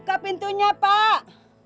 buka pintunya pak